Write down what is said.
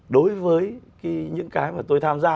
đối với những cái mà tôi tham gia